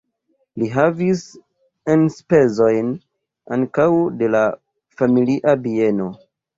Li havis enspezojn ankaŭ de la familia bieno.